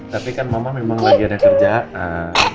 tapi kan mama memang lagi ada kerjaan